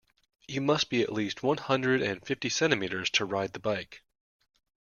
You must be at least one hundred and fifty centimeters to ride the bike.